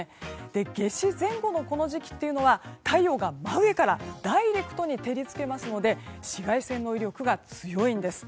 夏至前後のこの時期というのは太陽が真上からダイレクトに照り付けますので紫外線の威力が強いんです。